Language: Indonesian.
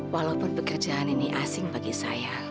walaupun pekerjaan ini asing bagi saya